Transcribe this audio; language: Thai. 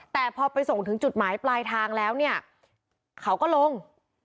แต่พอไปส่งถึงจุดหมายปลายทางแล้วเนี่ยเขาก็ลง